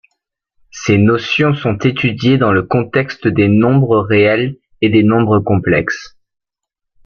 Ces notions sont étudiées dans le contexte des nombres réels ou des nombres complexes.